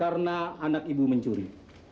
karena anak ibu mencuri